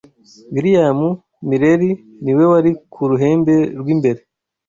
Wiliyamu Mileri niwe wari ku ruhembe rw’imbere